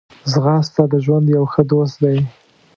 ځغاسته د ژوند یو ښه دوست دی